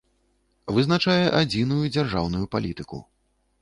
Вызначае адзiную дзяржаўную палiтыку.